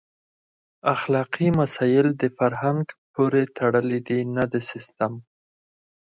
اخلاقي مسایل د فرهنګ پورې تړلي دي نه د سیسټم.